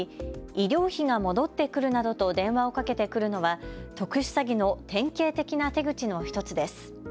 医療費が戻ってくるなどと電話をかけてくるのは特殊詐欺の典型的な手口の一つです。